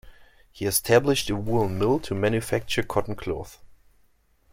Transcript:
He established a woolen mill to manufacture cotton cloth.